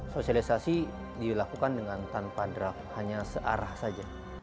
sosialisasi dilakukan dengan tanpa draft hanya searah saja